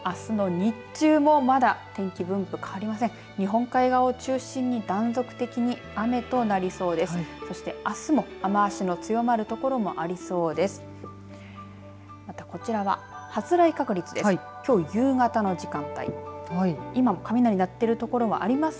日本海側を中心に断続的に雨となりそうです。